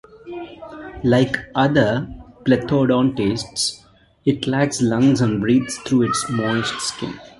Like other plethodontids, it lacks lungs and breathes through its moist skin.